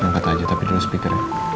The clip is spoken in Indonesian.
nangkat aja tapi dulu speaker ya